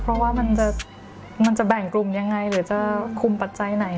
เพราะว่ามันจะแบ่งกลุ่มยังไงหรือจะคุมปัจจัยไหน